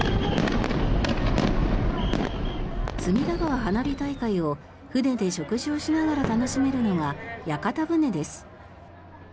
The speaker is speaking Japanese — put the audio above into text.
隅田川花火大会を船で食事をしながら楽しめるのが屋形船です。